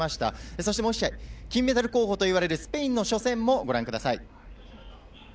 そして、もう１試合金メダル候補といわれるスペインの初戦もご覧ください。